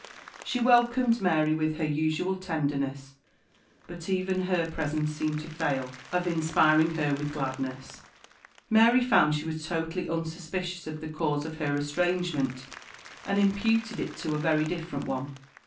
She welcomed Mary with her usual tenderness, but even her presence seemed to fail of inspiring her with gladness. Mary found she was totally unsuspicious of the cause of her estrangement, and imputed it to a very different one.